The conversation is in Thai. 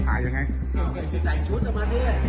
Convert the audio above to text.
สวัสดีทุกคน